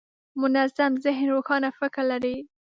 منظم ذهن روښانه فکر لري.